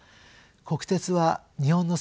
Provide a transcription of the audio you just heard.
国鉄は日本の